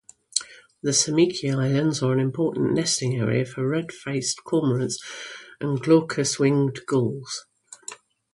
The Semichi Islands are an important nesting area for red-faced cormorants and glaucous-winged gulls.